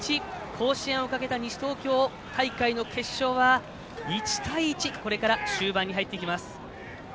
甲子園をかけた西東京大会の決勝は１対１、これから終盤に入っていきます。